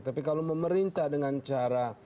tapi kalau memerintah dengan cara